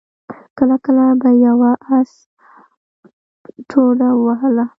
کله کله به يوه آس ټوډه ووهله.